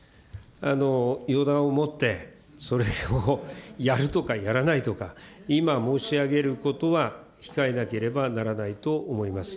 予断をもって、それをやるとかやらないとか、今申し上げることは控えなければならないと思います。